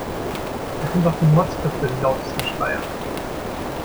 Es sind doch die Motzköpfe die lautesten Schreier.